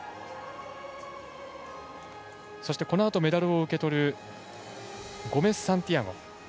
このあと、メダルを受け取るゴメスサンティアゴ。